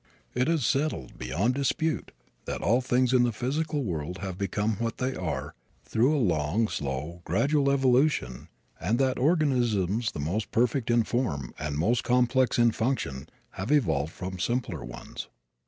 It is settled beyond dispute that all things in the physical world have become what they are through a long, slow, gradual evolution and that organisms the most perfect in form and most complex in function have evolved from simpler ones.